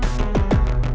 mulai naik dong